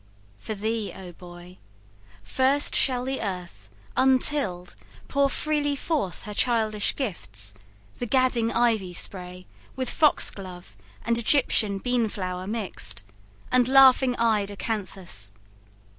For thee, O boy, First shall the earth, untilled, pour freely forth Her childish gifts, the gadding ivy spray With foxglove and Egyptian bean flower mixed, And laughing eyed acanthus.